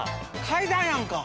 階段やんか。